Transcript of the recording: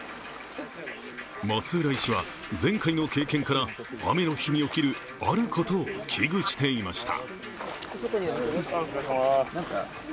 松浦医師は前回の経験から雨の日に起きるあることを危惧していました。